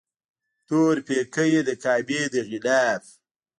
تور پیکی یې د کعبې د غلاف